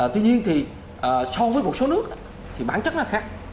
tuy nhiên thì so với một số nước thì bản chất là khác